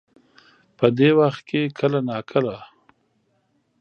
په دې وخت کې کله نا کله